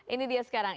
ini dia sekarang